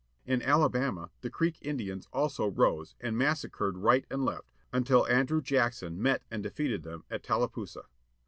In Alabama the Creek Indians also rose, and massacred right and left, until Andrew Jackson met and defeated them at Tallapoosa.